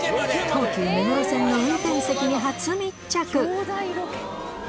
東急目黒線の運転席に発密着。